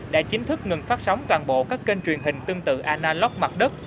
đã chính thức ngừng phát sóng toàn bộ các kênh truyền hình tương tự analog mặt đất